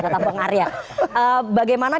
kata peng arya bagaimana